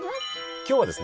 今日はですね